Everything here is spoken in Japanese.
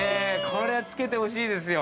◆これは付けてほしいですよ。